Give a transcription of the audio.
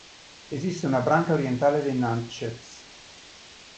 Esiste una branca orientale dei Natchez.